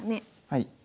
はい。